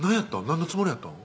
何のつもりやったん？